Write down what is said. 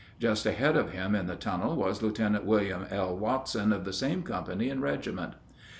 Just ahead of him in the tunnel was Lieutenant William L. Watson of the same company and regiment.